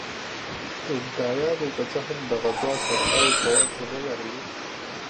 اینکایانو که څه هم دغه دوه اسانتیاوې په واک کې نه لرلې.